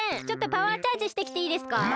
ちょっとパワーチャージしてきていいですか？